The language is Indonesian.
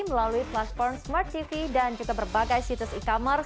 melalui platform smart tv dan juga berbagai situs e commerce